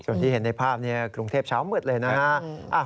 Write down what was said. ส่วนที่เห็นในภาพนี้กรุงเทพเช้ามืดเลยนะฮะ